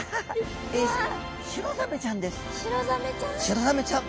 シロザメちゃん？